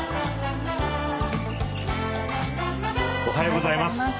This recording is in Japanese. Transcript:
おはようございます。